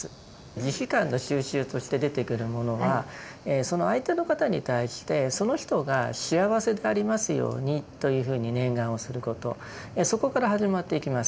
慈悲感の修習として出てくるものはその相手の方に対してその人が幸せでありますようにというふうに念願をすることそこから始まっていきます。